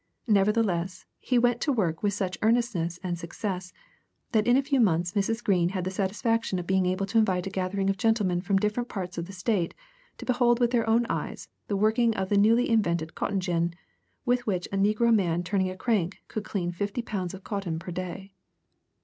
Nevertheless, he went to work with such earnestness and success, that in a few months Mrs. Greene had the satisfaction of being able to invite a gathering of gentlemen from different parts of the State to behold with their own eyes the working of the newly invented cotton gin, with which a negro man turning a crank could clean fifty pounds of cotton per day.